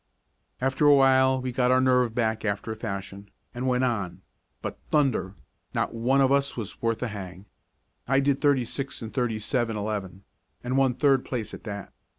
After a while we got our nerve back after a fashion, and went on, but, thunder! not one of us was worth a hang. I did thirty six and thirty seven, eleven, and won third place at that.